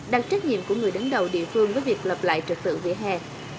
đặt trách nhiệm của người đứng đầu địa phương với việc lập lại trật tự vỉa hè